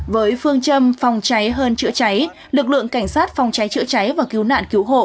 với phương châm phòng cháy hơn chữa cháy lực lượng cảnh sát phòng cháy chữa cháy và cứu nạn cứu hộ